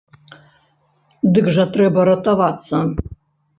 Дык жа трэба ратавацца.